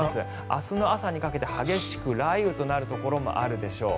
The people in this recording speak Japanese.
明日の朝にかけて激しく雷雨となるところもあるでしょう。